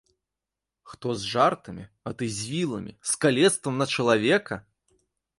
Хто з жартамі, а ты з віламі, з калецтвам на чалавека?!